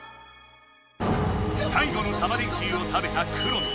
さい後のタマ電Ｑを食べたくろミン。